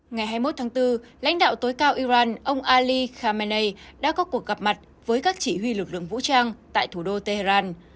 ngày hai mươi một tháng bốn lãnh đạo tối cao iran ông ali khamenei đã có cuộc gặp mặt với các chỉ huy lực lượng vũ trang tại thủ đô tehran